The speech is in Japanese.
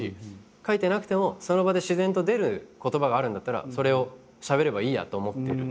書いてなくてもその場で自然と出る言葉があるんだったらそれをしゃべればいいやと思ってるんですよ。